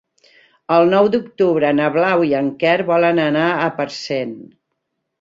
El nou d'octubre na Blau i en Quer volen anar a Parcent.